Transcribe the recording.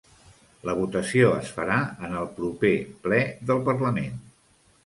La votació es farà en el proper ple del parlament